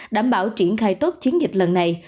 đảm bảo triển khai tốt chiến dịch lần này